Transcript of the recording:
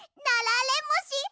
「なられもし」